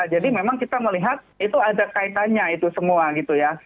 jadi memang kita melihat itu ada kaitannya itu semua gitu ya